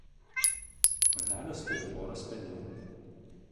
Patelės turi porą spenių.